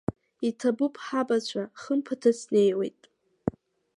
Иҭабуп, ҳабацәа, хымԥада снеиуеит.